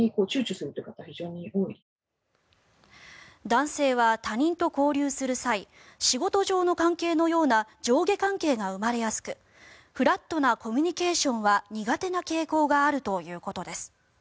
男性は他人と交流する際仕事上の関係のような上下関係が生まれやすくフラットなコミュニケーションは苦手な傾向があるということです。